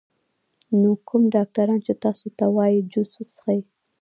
نو کوم ډاکټران چې تاسو ته وائي جوس څښئ